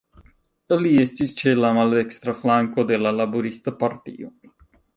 Li estis ĉe la maldekstra flanko de la Laborista Partio.